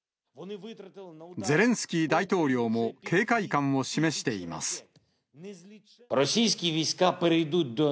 ゼレンスキー大統領も、警戒感を示しています。